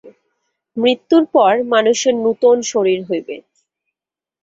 মৃত্যুর পর মানুষের নূতন শরীর হইবে।